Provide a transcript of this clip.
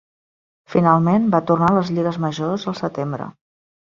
Finalment, va tornar a les lligues majors al setembre.